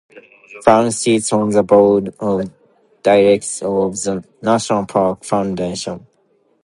Franks sits on the Board of Directors of the National Park Foundation.